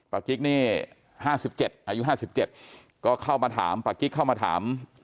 กิ๊กนี่๕๗อายุ๕๗ก็เข้ามาถามปากกิ๊กเข้ามาถาม